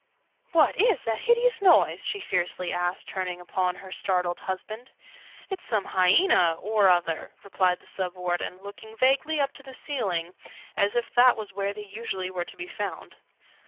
"What is that hideous noise?" she fiercely asked, turning upon her startled husband. "It's some hyaena or other," replied the Sub Warden, looking vaguely up to the ceiling, as if that was where they usually were to be found.